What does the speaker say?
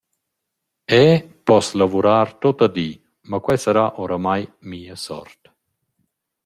Eu pos lavurar tuotta di, ma quai sarà oramai mia sort.